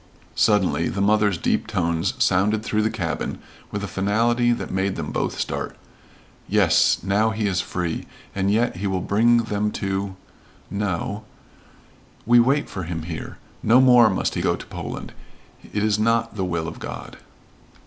Suddenly the mother's deep tones sounded through the cabin with a finality that made them both start. "Yes. Now he is free and yet will he bring them to know. We wait for him here. No more must he go to Poland. It is not the will of God."